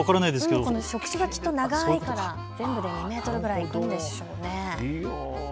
触手がきっと長いから全部で２メートルぐらいあるんでしょうね。